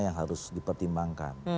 yang harus dipertimbangkan